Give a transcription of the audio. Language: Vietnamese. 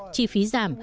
chỉ phí giảm